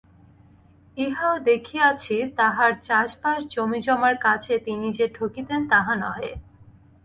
ইহাও দেখিয়াছি, তাঁহার চাষবাস জমিজমার কাজে তিনি যে ঠকিতেন তাহা নহে।